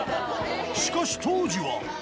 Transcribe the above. しかし当時は。